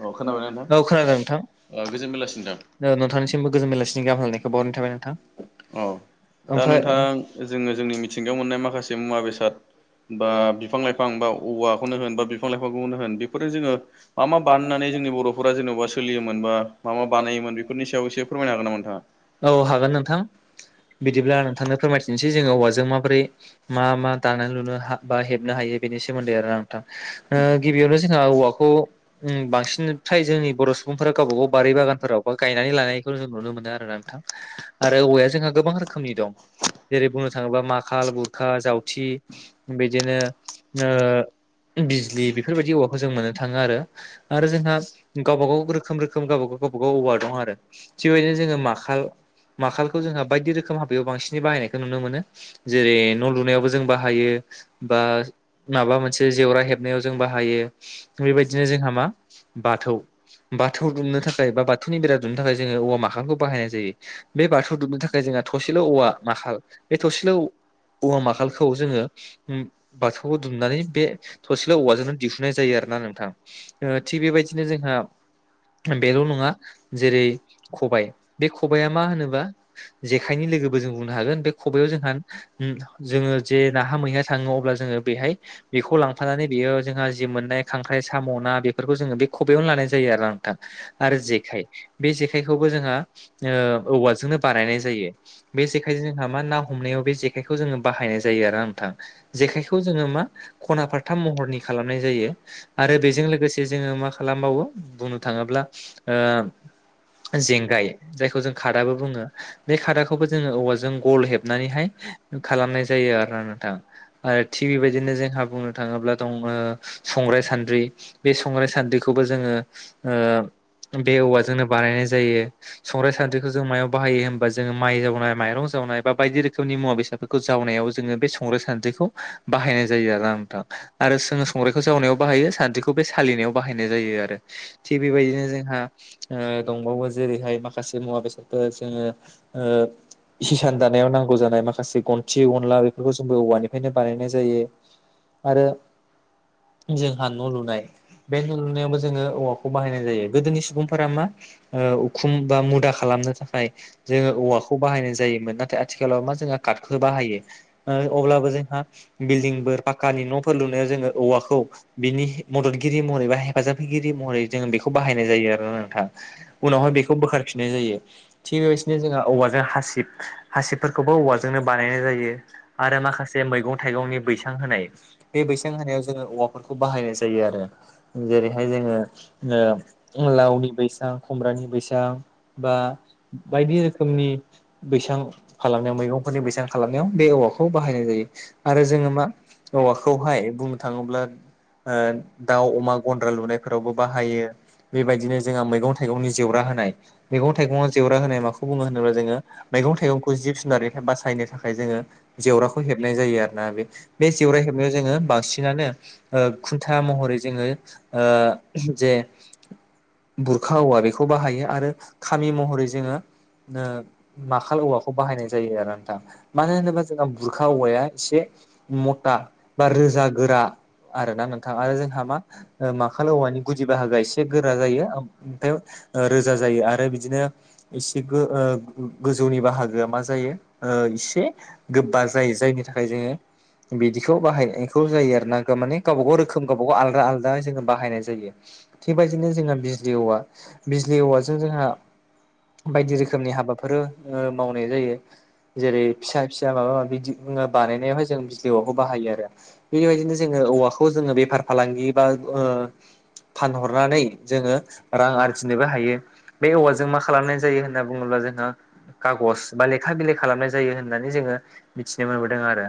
अ खोनाबायना औ नोंथां गोजोन बेलासि नोंथां। नोंथांसिमबो गोजोन बेलासिनि गाम हालनायखौ बावरनाय थाबाय नोंथां। अ दा ओमफ्राय नोंथांा जोङो जोंनि मिथिंगायाव मोननाय माखासे मुवा बेसाद बा बिफां लाइफां बा औवाखौनो होन बा बिफां लाइफांखौनो होन बेफोरो जोङो मा मा बानायनानै जोंनि बर'फोरा जेन'बा सोलियोमोन बा मा मा बानायोमोन बेफोरनि सायाव एसे फोरमायनो हागोन नामा नोंथाङा? औ हागोन नोंथां। बिदिब्ला नोंथांनो फोरमायथिनोसै जोङो औवाजों माबोरै मा मा दानाय लुनो बा हेबनो हायो बेनि सोमोन्दै आरो नोंथां गिबियावनो जोंहा औवाखौ बांसिन फ्राय जोंनि बर' सुबुंफोरा गावबाागाव बारि बागानफोराव बा गायनानै लानायखौ जों नुनो मोनो आरो नोंथां। आरो औवाया जोंहा गोबां रोखोमनि दं। जेरै बुंनो थाङोब्ला माखाल गुरखा जावथि बिदिनो ओ बिजलि बेफोरबायदि औवाखौ जों मोननो थाङो आरो। आरो जोंहा गावबा गाव रोखोम रोखोम गावबागाव गावबाागाव औवा दं आरो थिगबायदिनो जोङो माखाल माखालखौ जोंहा बायदि रोखोम हाबायाव बांसिनै बाहायनायखौ नुनो मोनो जेरै न' लुनायावबो जों बाहायो बा माबा मोनसे जेवरा हेबनायाव जों बाहायो बेबायदिनो जोंहा मा बाथौ बाथौ दुमनो थाखाय बा बाथौनि बेरा दुमनो थाखाय जोङो औवा माखामखौ बाहायनाय जायो बे बाथौ दुमनो थाखाय जोंहा थसेल' औवा माखाल बे थसेल' औव माखालखौ जोङो बाथौखौ दुमनानै बे थसेल औवाजोंनो दिहुननाय जायो आरो ना नोंथां थिग बेबायदिनो जोंहा बेल' नङा जेरै खबायाइ बे खबाइआ मा होनोबा जेखायनि लोगोबो जों बुंनो हागोन बे खबयाव जोंहा जोङो जे नाहा मैहया अब्ला जोङो बेहाय बेखौ लांफानानै बेयो जोंहा जि मोननाय खांख्राइ साम'ना बेफोरखौ जोङो बे खबयावनो लानाय जायो आरोा नोंथां आरो जेखाइ बे जेखायखौबो जोंहा औवाजोंनो बानायनाय जायो बे जेखायजों जोंहा मा ना हमनायाव बे जेायखौ जोङो बाहायनाय जायो आरो नोंथां। जेखायखौ जोङो मा खना फाराथाम महरनि खालामनाय जायो आरो बेजों लोगोसे जोङो मा खालामबावो बुंनो थाङोब्ला जेंगाय जायखौ जों खादाबो बुङो बे खादाखौबो जोङो औवाजों गल हेबनानैहाय खालामनाय जायो आरोना नोंथां आरो थिउ बेदिनो जोंहा बुंनो थाङोब्ला दं संग्राय सान्द्रि बे संग्रय सान्द्रिखौबो जोङो बे औवाजोंनो बानायनाय जायो सं्राइ सान्द्रिखौ जों मायाव बाहायो हबा जोङो माइ जावनाय माइरं जावनाय बा बायदि रोखोम जसनि मुवा बेससाफोरखौ जावनायाव जोङो बे संग्राय सान्द्रिखौ बाहायनाय जायो आरो आंथां आरो जोङो संग्रखौ जावनायाव बाहायो सान्द्रिखौ बे सालिनायाव बाहायनाय जायो आरो थिग बेबायदिनो जोंहा दंबावो जेरैहाय माखासे मुवा बेसादफोर जोङो हिसान दानायाव नांगौ जानाय माखासे गनथि गनला बेफोरखौ जोंबो औवानि बेायनो बानायनाय जायो आरो जोंहा न' लुनाय बे नु लुनायावबो जोङो औवाखौ बाहायनाय जायो गोदोनि सुबुंफोरा मा उखुम बा मुदा खालामनो थाखाय जोङो औवाखौ बाहायनाय जायोमोन नाथाय आथिखालाव मा जोंओ कटखौनो बाहायो अब्लाबो जों बिल्डिंफोर पाखक्कानि न'फोर लुनायाव जोङो औवाखौ बिनि मददगिरि महरै बा हेफाजाब होगिरि महरै जोङो बेखौ खौ बाहायनाय जायो आरोना नोंथां उनावहाय बेखौ बोखारफिननाय जायो थिग बेबायदिनो जोंहा औवाजों हासिब हासिबफोरखौबो औवाजोंनो बानायनाय जायो आरो माखासे जे मैगं थाइगंनि बैसां होनाय बे बैसां होनायाव जोङो औवाफोरखौ बाहायनाय जायो आरो जेरैहाय जोङोओ लावनि बैसां खुमब्रानि बैसां बा बायदि रोखोमनि बैसां खालामनायाव मैगंफोरनि बैसबां खालामनायाव बे औवाखौ बाहायनाय जायो। आरो जोङो मा औवाखौहाय बुंनो थाङोब्ला ओ दाउ अमा गन्द्रा लुनायफोरावबो बाहायो। बेबायदिनो जोंहा मैगं थाइगंनि जेवरा होनाय मैगं थाइगंआव जेवरा होनाय माखौ बुङो होनोब्ला जोङो मैगं थाइगंखौ जिब जुनारनि बासायनो थाखाय जोङो जेवराखौ हेब- हेबनाय जायो आरोना बे बे जेवरा हेबनायाव जोङो बांसिनानो खुन्था महरै जोङो ओ जे बुरखा औवा बेखौ बाहायो आरो खामि महरै जोङो माखाल औवाखौ बाहायनाय जायो आरो नोंथां मानो होनोबा जोंहा बुरखा हा औवाया एसे मथा बा रोजा गोरा आर ना नोंथां आरो जोंहा मा? माखाल औवानि गुदि बाहागो एसे गोरा जायो ओमफ्राय रोजा जायो आरो बिदिनो एसे गोजौनि बाहागोआ मा जायो एसे गोबा जायो जायनि थाखाय जोङो बिदिखौ बाहायनायखौ जायो आरो ना माने गावबा गाव रोखोम गावबागाव आलदा आलदा जोङो बाहायनाय जायो। थिगबायदिनो जोंहा बिजलि औवा बिजलि औवाजों जोंहा बायदि रोखोमनि हाबाफोर मावनाय जायो। जेरै फिसा फिसा माबा माबि बानायनायावहाय जों बिजलि औवाखौ बाहायो आरो। बेबायदिनो जोङो औवाखौ जोङो बेफार फालांगि बा ओ फानहरनानै जोङो रां आरजिनोबो हायो। बे औवाजों मा खालामनाय जायो होनना बुङोब्ला जोंहा खागज बा लेखा बिलाइ खालामनाय जायो होननानै जोङो मिथिनो मोनबोदों आरो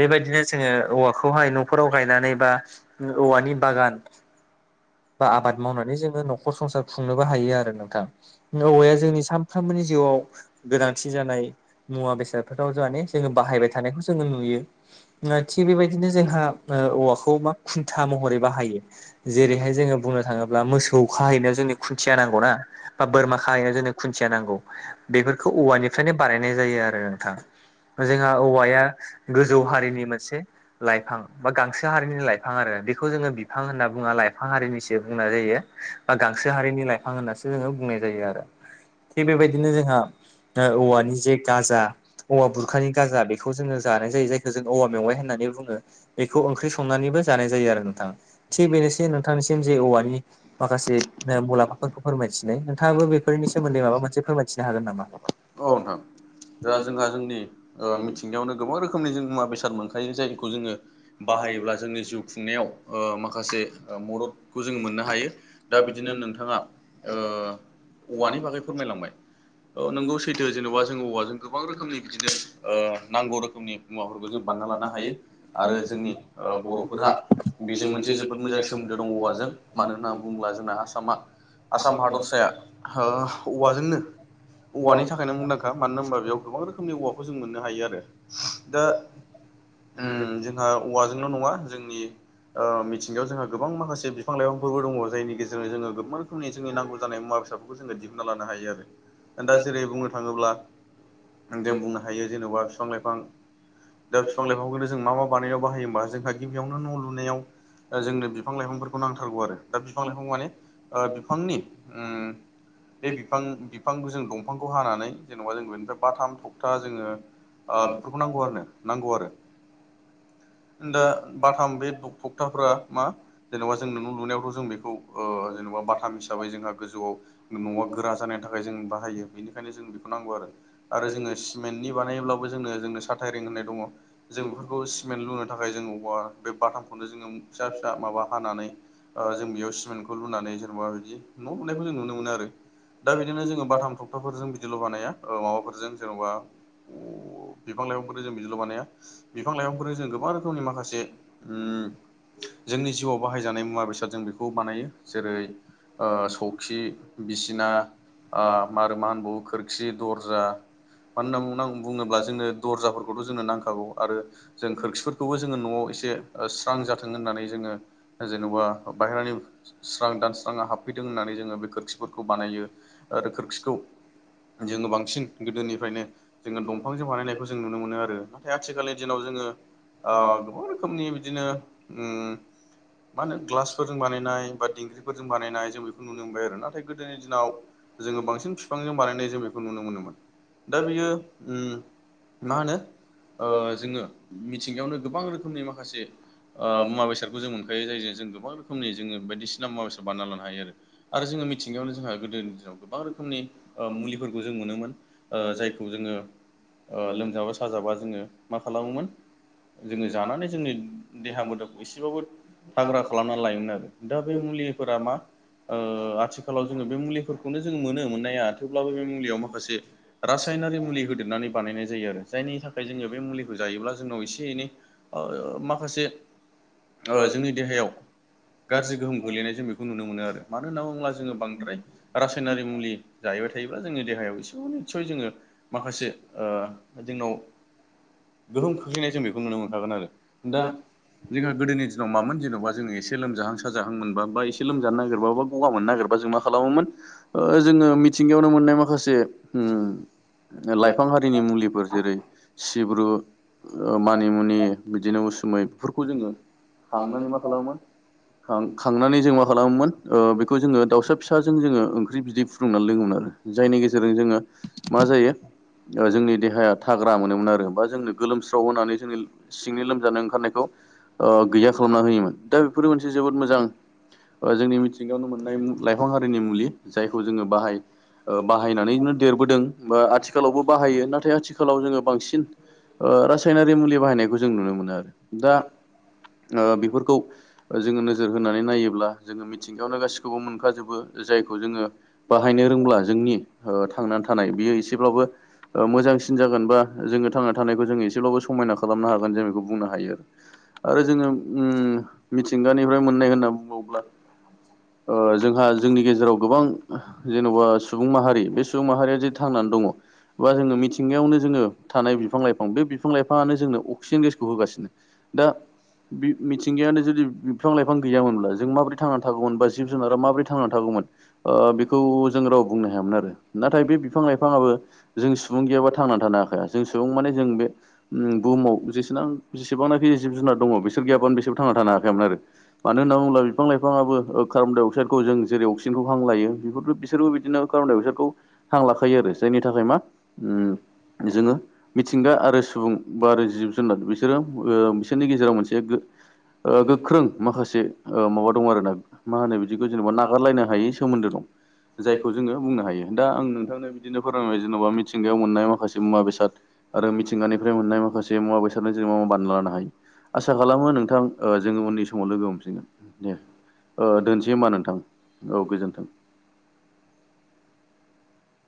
बेबायदिनो बिनो जोङो औवाखौहाय न'फोराव गायनानै बा औवानि बागान बा आबाद मावनानै जोङो न'खर संसार खुंनोबो हायो आरो नोंथां। औवाया जोंनि सानफ्रोमबोनि जिउआव गोनांथि जानाय मुवा बेसादफोराव जोंहानि जोङो बाहायबाय थानायखौ जोङो नुयो थिग बेबायदिनो जोंहा औवाखौ मा खुन्था महरै बाहायो जेरैहाय जोङो बुंनो थाङोब्ला बा मोसौ खाहैनो जोंनो खुथिया नांगौना बा बोरमा खाहैनो जोंनो खुन्थिया नांगौ बेफोरखौ औवानिफ्रायनो बानायनाय जायो आरो नोंथां। जोंहा औवाया गोजौ हारिनि मोनसे लाइफां बा गांसो हारिनि लाइफां आरो बेखौ जोङो बिफां होनना बुङा लाइफां हारिनिसो बुंनाय जायो। बा गांसो हारिनि लाइफां होननानैसो जोङो बुंनाय जायो आरो थिग बेबायदिनो जोंहा औवानि जे गाजा औवा बुर अखानि गाजा बेखौ जोङो जानाय जायो जायखौ जोंङो औवा मेवाइ होननानै बुङो। बेखौ ओंख्रि संनानैबो जानाय जायो आरो नोंथां थिग बेनोसै नोंथांनिसिम जे औवानि माखासे मुलाम्फाफोरखौ फोरमायथिनाय नोंथाङाबो बेफोरनि सोमोन्दै माबा मोनसे फोरमायथिनो हागोन नामा? औ नोंथां दा जोंहा जोंनि मिथिंगायावनो गोबां रोखोमनि जों मुवा बेसाद मोनखायो जायखौ जोङो बाहायोब्ला जोंनि जिउ खुंनायाव माखासे मददखौ जों मोननो हायो दा बिदिनो नोंथाङा ओ औवानि बागै फोरमायलांबाय औ नोंगौ सैथो जेन'बा जों औवाजों गोबां रोखोमनि बिदिनो ओ नांगौ रोखोमनि मुवाफोरखौ जों बानायना लानो हायो आरो जोंनि बर'फोरहा बेजों मोनसे जोबोद मोजां सोमोन्दो दं औवाजों मानो होनना बुङोब्ला जोंना आसामा आसाम हादरसाया ओ औवाजोंनो औवानि थाखायनो मुंदांखा मानो होनबा बेयाव गोबां रोखोमनि औवाखौ जों मोननो हायो आरो दा उम जों जोंहा औवाजोंल' नङा हौवा जोंनि ओ नङा मिथिंगायाव जोंहा गोबां जोंनि माखासे बिफां लाइफांफोरबो दङ जायनि गेजेरजों जोङो गोबां रोखोमनि जोंनि नांगौ जानाय मुवा बेससाफोरखौ जोङो दिहुनना लानो हायो आरो। दा जेरै बुंनो थाङोब्ला जों बुंनो हायो जेन'बा बिफां-लाइफां दा बिफां-लाइफांखौनो जों मा मा बानायनायाव बाहायो होमबा जोंहा गिबियावनो न' लुनायाव जोंनो बिफां लाइफांफोरखौ नांथारगौ आरो दा बिफां लाइफां माने बिफांनि उम बे बिफां बिफां जों दंफांखौ हानानै जेन'बा जों बेनिफ्राय बाथाम थखथा जोङो बेफोरखौ नांगौ आरो नांगौ आरो। दा बाथाम बे थक्थाफोरा मा जेनेबा जों न' लुनायावथ' जों बेखौ जेनेबा बाथाम हिसाबै जोंहा गोजौआव न'आ गोरा जानायनि थाखाय जों बाहायो बेनिखायनो जों नंगौ आरो जोङो सिमेन्टनि बानायोब्लाबो जोंनो जोंनो साथारिं होननाय दङ। जों बेफोरखौ सिमेन्ट लुनो थाखाय जोंङ अ बे बाथामखौनो जोङो फिसा फिसा माबा हानानै जों बेयाव सिमेन्टखौ लुनानै जेनेबा बिदि न' लुनायखौ जों नुनो मोनो आरो। दा बिदिनो जोङो बाथाम खौ हाथ'फोरजों बिदिल' बानाया माबाफोरजों जेन'बा बिफां लाइफांफोरजों जों बिदिल' बानाया बिफां लाइफांफोरा जों गोबां रोखोमनि माखासे ओ जोंनि जिउआव बाहायजानाय मुवा बेसाद जों बेखौ बानायो जेरै ओ सौखि बिसिना ओ मा आरो मा होनबावो खोरखि दर्जा मानो [unintelligible] बुङोब्ला जोङो दरजाफोरखौथ' जोंनो नांखागौ आरो जों खोरखिफोरखौबो जोङो न'आव एसे स्रां जाथों होननानै जोङो जेन'बा बायह्रानि स्रां दानस्रांआ हाबफैथों होननानै जोङो बे खोरखिफोरखौ बानायो। आरो खोर जोङो बांसिन गोदोनिफ्रायनो जोङो दंफांजों बानायनायखौ जों नुनो मोनो आरो। [unintelligible] आथिखालनि दिनाव जोङो ओ गोबां रोखोमनि बिदिनो उम मा होनो ग्लासफोरजों बानायनाय बा दिंग्रिफोरजों बानायनाय जों बेखौ नुनो मोनबाय आरो नाथाय गोदोनि दिनाव जोङो बांसिन बिफांजों बानायनाय जों बेखौ नुनो मोनोमोन दा बियो उम मा होनो ओ जोङो मिथिंगायावनो गोबां रोखोमनि माखासे ओ मुवा बेसादखौ जों मोनखायो जायजों जों गोबां रोखोमनि जोङो बायदिसिना मुवा बेसाद बानायना लानो हायो आरो। आरो जोङो मिथिंगायावनो जोंहा गोदोनि दिनाव गोबां रोखोमनि ओ मुलिफोरखौ जों मोनोमोन ओ जायखौ जोङो ओ लोमजाबा साजाबा जोङो मा खालामोमोन जोङो जानानै जोंनि देहा मोदोमखौ एसेबाबो हाग्रा खालामना लायोमोन आरो दा बे मुलिफोरा मा ओ आथिखालाव जोङो बे मुलिफोरखौनो जोङो मोनो मोननाया थेवब्लाबो बे मुलियाव माखासे रासायनारि मुलि होदेरनानै बानायनाय जायो आरो जायनि थाखाय जोंनियाव बे मुलिखौ जायोब्ला जोंनाव एसे एनै माखासे ओ जोंनि देहायाव गाज्रि गोहोम गोल्लैनाय जों बेखौ नुनो मोनो आरो मानो होनना बुङोब्ला जोङो बांद्राय रासायनारि मुलि जाहैबाय थायोब्ला जोंनि देहायाव [unintelligible] जोङो माखासे ओ जोंनाव गोहोम खोख्लैनाय जों बेखौ नुनो मोनखागोन आरो दा जोंहा गोदोनि दिनाव मामोन जेन'बा जोङो एसे लोमजाहां साजाहां मोनबा बा एसे लोमजानो नागिरबाबो गगा मोननो नागिरबा जों मा खालामोमोन ओ जोङो मिथिंगायावनो मोननाय माखासे उम लाइफां हारिनि मुलिफोर जेरै सिब्रु ओ मानि मुनि बिदिनो उसुमै बेफोरखौ जोङो खांनानै मा खालामोमोन खां-खांनानै जों मा खालामोमोन ओ बेखौ जोङो दाउसा फिसाजों जोङो ओंख्रि बिदै फुदुंनानै लोङोमोन। आरो जायनि गेजेरजों जोङो मा जायो जोंनि देहाया थाग्रा मोनोमोन आरो होमबा जोंनो गोलोमस्राव होनानै जोंनि सिंनि लोमजानो ओंखारनायखौ ओ गैया खालामना होयोमोन दा बेफोरो मोनसे जोबोद मोजां ओ जोंनि मिथिंगायावनो मोननाय लाइफां हारिनि मुलि जायखौ जोङो बाहाय ओ बाहायनानैनो देरबोदों बा आथिखालावबो बाहायो नाथाय आथिखालाव जोङो बांसिन। ओ रासायनारि मुलि बाहायनायखौ जों नुनो मोनो आरो दा ओ बेफोरखौ ओ जोङो नोजोर होनानै नायोब्ला जों जोङो मिथिंगायावनो गासिखौबो मोनखाजोबो जायखौ जोङो बाहायनो रोंब्ला जोंनि ओ थांनानै थानाय बियो एसेबाबो ओ मोजांसिन जागोन बा जोङो थांना थानायखौ जोङो एसेबाबो समायना खालामनो हागोन जों बेखौ बुंनो हायो। आरो जोङो उम मिथिंगानिफ्राय मोननाय होनना बुंबावोब्ला ओ जोंहा जोंनि गेजेराव गोबां जेन'बा सुबुं माहारि बे सुबुं माहारिया जे थांनानै दङ बा जोङो मिथि मिथिंगायावनो जोङो थानाय बिफां लाइफां बे बिफां लाइफाङानो जोंनो अक्सिजेन गेसखौ होगासिनो दा बि मिथिंगायानो जुदि बिफां लाइफां गैयामोनब्ला जों माबोरै थांनानै थागौमोन बा जिब जुनारा माबोरै थांनानै थागौमोन ओ बेखौ जों राव बुंनो हायामोन आरो नाथाय बे फां लाइफाङाबो जों सुबुं गैयाबा थांनानै थानो हाखाया जों सुबुं माने जों बे उम बुहुमाव जेसेनां जेसेबांनाखि जिब जुनार दङ बिसोर गैयाबानो बिसोरबो थांना थानो हाखायामोन आरो। मानो होन्ना बुङोब्ला बिफां लाइफाङाबो ओ कार्बन डाइ अक्साइडखौ जों जेरै अक्सिजेनखौ हां लायो। बेफोरबो बिसोरबो बिदिनो कार्बनडाइ अक्साइदखौ‌ हां लाखायो आरो जायनि थाखाय मा उम जोङो मिथिंगा आरो सुबुं बा आरो जिब जुनार बिसोरो बिसोरनि गेजेराव मोनसे गोख्रों माखासे माबा दं आरो ना मा होनो बिदिखौ जेनेबा नागारलायनो हायै सोमोन्दो दं। जायखौ जोङो बुंनो हायो दा आं नोंथांनो बिदिनो फोरमायबाय जेन'बा मिथिंगायाव मोननाय माखासे मुवा बेसाद आरो मिथिंगानिफ्राय मोननाय माखासे मुवा बेसादजों जों मा -मा बानायना लानो हायो? आसा खालामो नोंथां ओ जोङो उननि समाव लोगो मोनफिनगोन दे। दोनसै होमाबा नोंथां औ गोजोन्थों।